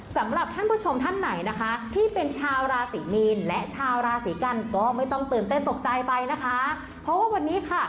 สำหรับท่านผู้ชมท่านไหนนะคะที่เป็นชาวราศีมีนและชาวราศีกันก็ไม่ต้องตื่นเต้นตกใจไปนะคะเพราะว่าวันนี้ค่ะ